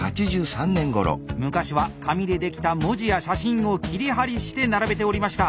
昔は紙で出来た文字や写真を切り貼りして並べておりました。